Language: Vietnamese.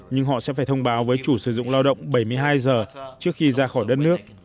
nhưng họ sẽ phải thông báo với chủ sử dụng lao động bảy mươi hai giờ trước khi ra khỏi đất nước